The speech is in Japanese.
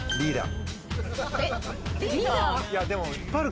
リーダー？